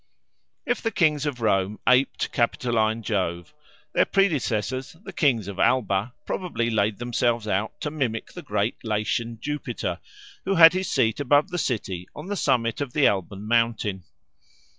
If the kings of Rome aped Capitoline Jove, their predecessors the kings of Alba probably laid themselves out to mimic the great Latian Jupiter, who had his seat above the city on the summit of the Alban Mountain.